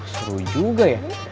seru juga ya